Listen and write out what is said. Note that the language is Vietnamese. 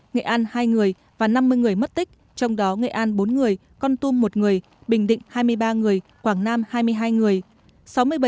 nghệ an hai người và năm mươi người mất tích trong đó nghệ an bốn người con tum một người bình định hai mươi ba người quảng nam hai mươi hai người